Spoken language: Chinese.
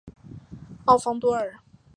奥方多尔。